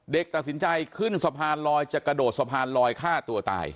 ตัดสินใจขึ้นสะพานลอยจะกระโดดสะพานลอยฆ่าตัวตาย